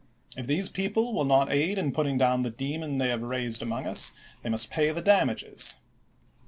If these people will not aid in putting down the demon they have raised among us they must pay the damages.